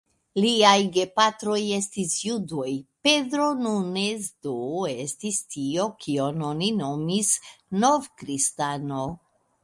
Liaj gepatroj estis judoj; Pedro Nunes do estis tio, kion oni nomis "nov-kristano".